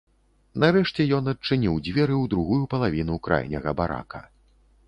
Нарэшце ён адчыніў дзверы ў другую палавіну крайняга барака.